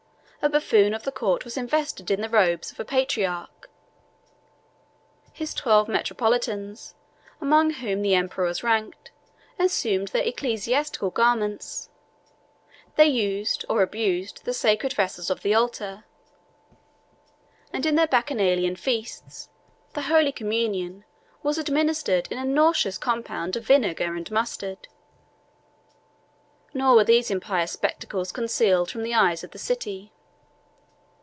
A buffoon of the court was invested in the robes of the patriarch: his twelve metropolitans, among whom the emperor was ranked, assumed their ecclesiastical garments: they used or abused the sacred vessels of the altar; and in their bacchanalian feasts, the holy communion was administered in a nauseous compound of vinegar and mustard. Nor were these impious spectacles concealed from the eyes of the city.